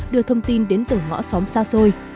đưa thông tin đến từng ngõ xóm xa xôi